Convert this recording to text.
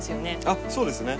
あっそうですね。